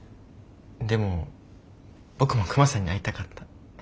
でも僕もクマさんに会いたかった。